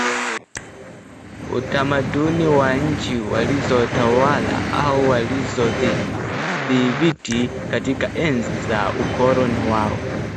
utamaduni wa nchi walizotawala au walizodhibiti katika enzi za ukoloni wao